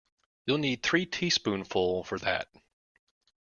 You'll need three teaspoonsful for that.